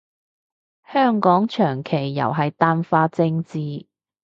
香港長期又係淡化政治